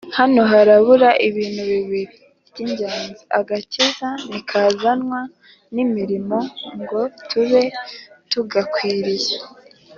Hano hari ibintu bibiri by'ingenziAgakiza ntikazanwa n'imirimo ngo tube tugakwiriye